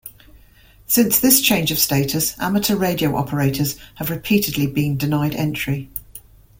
Since this change of status, amateur radio operators have repeatedly been denied entry.